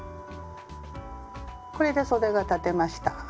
これでそでが裁てました。